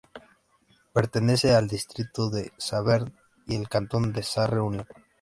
Pertenece al distrito de Saverne y al cantón de Sarre-Union.